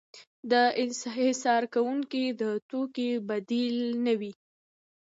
د انحصار کوونکي د توکې بدیل نه وي.